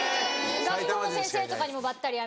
学校の先生とかにもばったり会いますし。